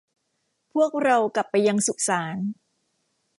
พวกเรากลับไปยังสุสาน